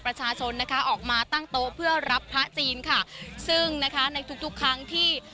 ประชาชนนะคะออกมาตั้งโต๊ะเพื่อรับพระจีนค่ะซึ่งนะคะในทุกทุกครั้งที่